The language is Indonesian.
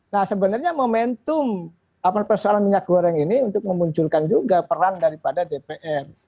nah sebenarnya momentum persoalan minyak goreng ini untuk memunculkan juga peran daripada dpr